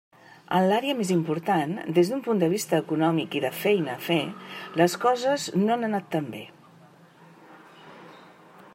En l'àrea més important, des d'un punt de vista econòmic i de feina a fer, les coses no han anat tan bé.